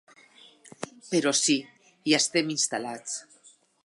Però sí, hi estem instal·lats.